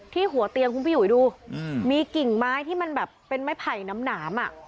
หัวเตียงคุณพี่อุ๋ยดูมีกิ่งไม้ที่มันแบบเป็นไม้ไผ่น้ำหนามอ่ะ